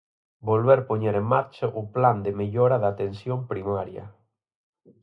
Volver poñer en marcha o Plan de Mellora da Atención Primaria.